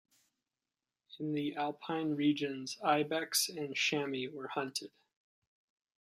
In the alpine regions ibex and chamois were hunted.